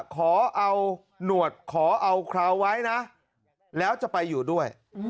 ขอเอาหนวดขอเอาคราวไว้นะแล้วจะไปอยู่ด้วย